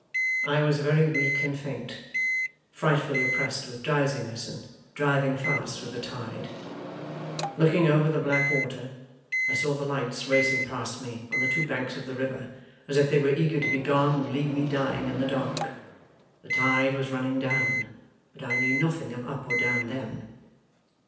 'I was very weak and faint, frightfully oppressed with drowsiness, and driving fast with the tide. Looking over the black water, I saw the lights racing past me on the two banks of the river, as if they were eager to be gone and leave me dying in the dark. The tide was running down, but I knew nothing of up or down then.